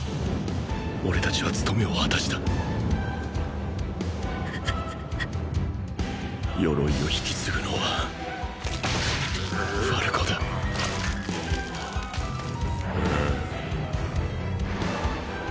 俺たちは務めを果たした鎧を引き継ぐのはファルコだグゥウ。